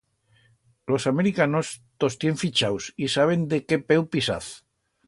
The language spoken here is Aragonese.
Los americanos tos tienen fichaus y saben de qué peu pisaz.